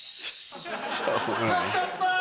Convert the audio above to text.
助かった！